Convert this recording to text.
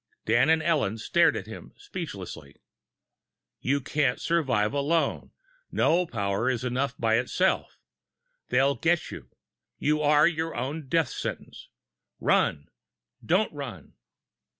Dan and Ellen stared at him speechlessly. _You can't survive alone! No power is enough by itself! They'll get you! You are your own death sentence! RUN! DON'T RUN!